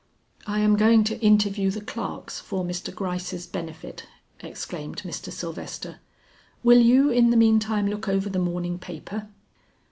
"I am going to interview the clerks for Mr. Gryce's benefit," exclaimed Mr. Sylvester. "Will you in the meantime look over the morning paper?"